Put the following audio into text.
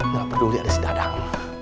gak peduli ada si dadang